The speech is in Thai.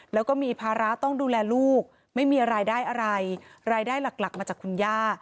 แล้วก็มีภาระต้องดูแลลูกไม่มีรายได้อะไรรายได้หลักหลักมาจากคุณย่า